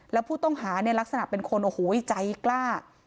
แล้วผู้ต้องหาเนี่ยลักษณะเป็นคนโอ้โหใจกล้า